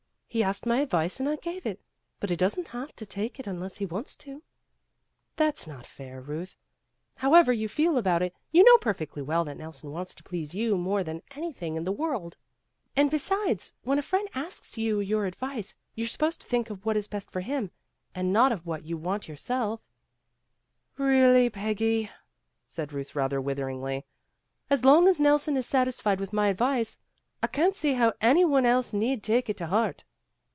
He asked my ad vice and I gave it, but he doesn't have to take it unless he wants to." "That's not fair, Euth. However you feel about it, you know perfectly well that Nelson wants to please you more than anything in the THE MOST WONDERFUL THING 137 world. And besides, when a friend asks you your advice, you're supposed to think of what is best for him and not of what you want your self." "Really, Peggy," said Euth rather wither ingly, "as long as Nelson is satisfied with my advice, I can't see that any one else need take it to heart."